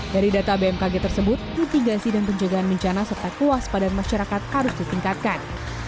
dari data bmkg tersebut mitigasi dan penjagaan bencana serta kewaspadaan masyarakat harus ditingkatkan